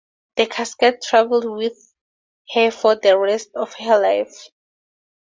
The casket travelled with her for the rest of her life.